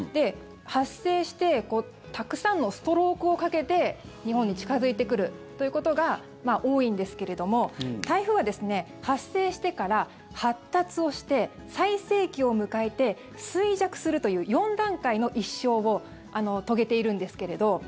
発生してたくさんのストロークをかけて日本に近付いてくるということが多いんですけれども台風は発生してから発達をして最盛期を迎えて衰弱するという４段階の一生を遂げているんですけれど